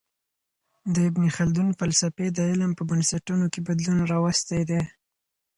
د ابن خلدون فلسفې د علم په بنسټونو کي بدلون راوستی دی.